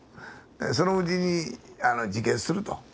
そのうちに自決すると。